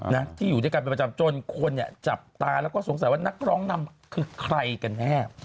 นะที่อยู่ด้วยกันเป็นประจำจนคนเนี่ยจับตาแล้วก็สงสัยว่านักร้องนำคือใครกันแน่